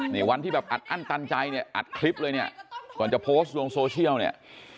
นี่วันที่แบบอัดอั้นตันใจเนี่ยอัดคลิปเลยเนี่ยก่อนจะโพสต์ลงโซเชียลเนี่ย